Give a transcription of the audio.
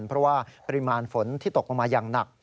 เพราะว่าปริมาณฝนที่ตกลงมาอย่างหนัก